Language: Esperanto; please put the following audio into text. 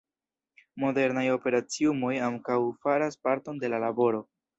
Modernaj operaciumoj ankaŭ faras parton de la laboro.